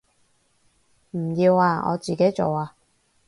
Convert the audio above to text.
唔要啊，我自己做啊